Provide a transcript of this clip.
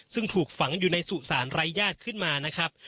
ซึ่งถูกฝังอยู่ในสุสานไร้ญาติขึ้นมานะครับ